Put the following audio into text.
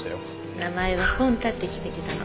名前はポンタって決めてたの。